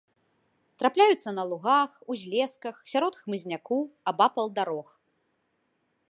Трапляюцца на лугах, узлесках, сярод хмызняку, абапал дарог.